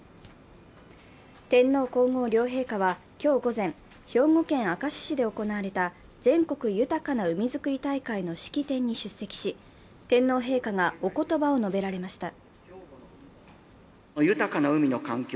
天皇皇后両陛下は今日午前、兵庫県明石市で行われた全国豊かな海づくり大会の式典に出席し、天皇陛下がおことばを述べられました。